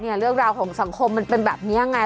เรื่องราวของสังคมมันเป็นแบบนี้ยังไง